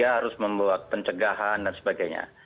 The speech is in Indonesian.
dia harus membuat pencegahan dan sebagainya